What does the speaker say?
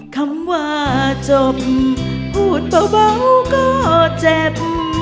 คำว่าจบพูดเบาก็เจ็บ